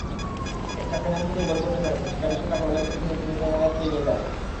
একটি পেনাল্টিতেই গোল করতে পেরেছেন, সেটা বিশ্বকাপে হল্যান্ডের সঙ্গে সেমিফাইনালের টাইব্রেকারে।